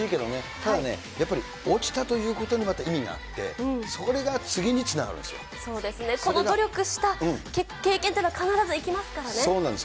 ただね、やっぱり落ちたということにまた意味があって、そうですね、この努力した経験っていうのは、そうなんです。